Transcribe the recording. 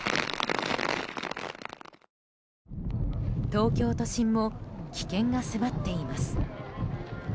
東京都心も危険が迫っています。